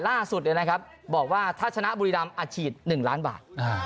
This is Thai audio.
ล่าสุดเลยนะครับบอกว่าถ้าชนะบุริดำอัดฉีด๑ล้านบาท